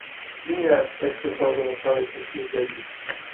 این است اقتصاد مشارکتی جدید